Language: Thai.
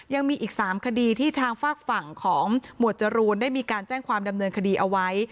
ยังมีอีก๓คดีที่ทางฝากฝั่งของหมวดจรูนได้มีการแจ้งความดำเนินคดีเอาไว้